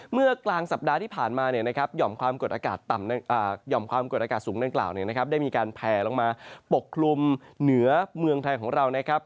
เมื่อกลางสัปดาห์ที่ผ่านมาหย่อมความหย่อมความกดอากาศสูงดังกล่าวได้มีการแผลลงมาปกคลุมเหนือเมืองไทยของเรานะครับ